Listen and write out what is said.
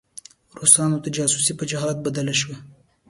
روسانو ته جاسوسي په جهاد بدله شوې.